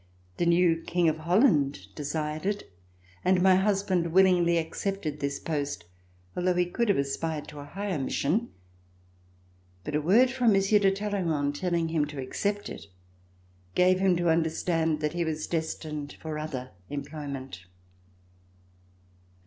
The new King of Holland desired it, and my husband willingly accepted this post, although he could have aspired to a higher mission. But a word from Monsieur de Talleyrand, telling him to accept it, gave him to understand that he was destined for other employment.